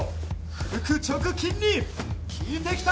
腹直筋に効いてきた！